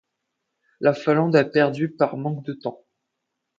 La Finlande a perdu par manque de temps.